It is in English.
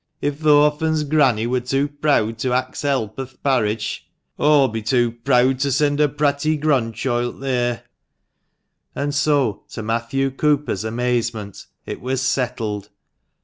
If the orphan's granny wur too preawd to ax help o' th' parish, aw'll be too preawd to send her pratty grandchoilt theer." And so, to Matthew Cooper's amazement, it was settled.